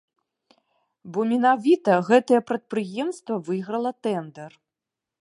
Бо менавіта гэтае прадпрыемства выйграла тэндэр.